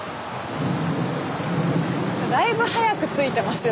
だいぶ早く着いてますよね。